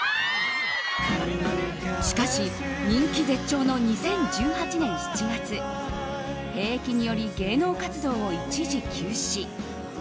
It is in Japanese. しかし、人気絶頂の２０１８年７月兵役により芸能活動を一時休止。